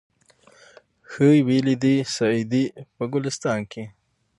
ښه ویلي دي سعدي په ګلستان کي